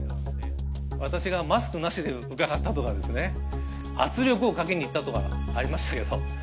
私がマスクなしで伺ったとかですね、圧力をかけに行ったとかありましたけど。